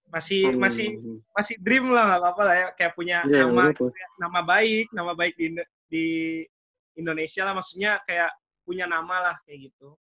masih masih dream lah gak apa apa lah ya kayak punya nama baik nama baik di indonesia lah maksudnya kayak punya nama lah kayak gitu